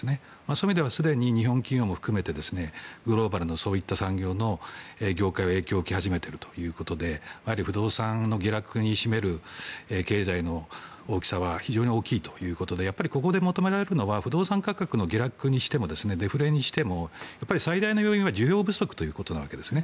そういう意味ではすでに日本企業も含めてそういう業界が影響を受け始めているということで不動産の下落に占める経済の大きさは非常に大きいということでここで求められるのは不動産価格の下落にしてもデフレにしても最大の要因は需要不足なわけですね。